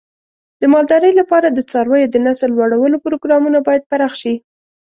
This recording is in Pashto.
د مالدارۍ لپاره د څارویو د نسل لوړولو پروګرامونه باید پراخ شي.